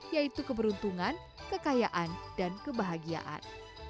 yaitu keberuntungan kekayaan dan kebahagiaan